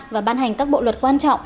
và ban hành các bộ luật quan trọng